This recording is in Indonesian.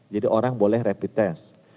jadi orang boleh rapid test